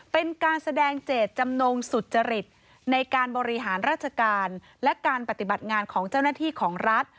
เป็นการแสดงเจตจำนงสุจริตในการบริหารราชการและการปฏิบัติงานของเจ้าหน้าที่ของรัฐ